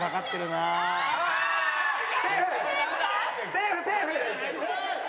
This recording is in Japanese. セーフセーフ。